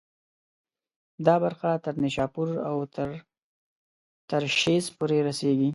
دا برخه تر نیشاپور او ترشیز پورې رسېږي.